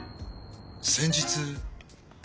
先日。